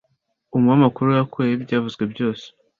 Umuamakuru yakuyeho ibyavuzwe byose.